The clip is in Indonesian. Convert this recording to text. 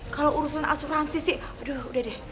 kalau urusan asuransi sih udah udah deh